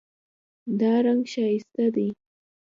دا رنګ ښایسته دی